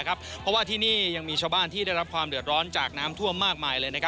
เพราะว่าที่นี่ยังมีชาวบ้านที่ได้รับความเดือดร้อนจากน้ำท่วมมากมายเลย